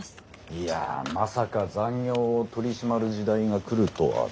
いやまさか残業を取り締まる時代が来るとはね。